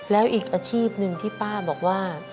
แล้วอีกอาชีพหนึ่งที่ป้าบอกว่า